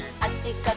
こっち！